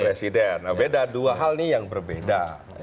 nah beda dua hal ini yang berbeda